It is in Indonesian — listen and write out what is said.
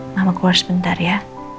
mamaku harus bentar ya